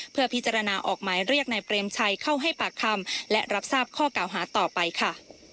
เพื่อพิจารณาออกหมายเรียกนายเปรมชัยเข้าให้ปากคำและรับทราบข้อเก่าหาต่อไปค่ะ